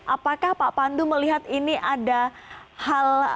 apakah pak pandu melihat ini ada hal